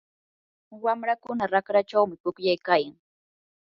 wamrakuna raqrachawmi pukllaykayan.